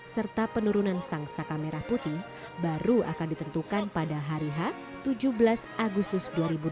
serta penurunan sang saka merah putih baru akan ditentukan pada hari h tujuh belas agustus dua ribu delapan belas